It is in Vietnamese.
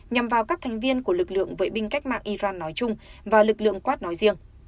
nhằm vào các thành viên của lực lượng vệ binh cách mạng iran nói chung và lực lượng kart nói riêng